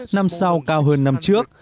năm sau cao hơn năm trước